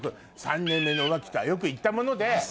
３年目の浮気とはよく言ったもので。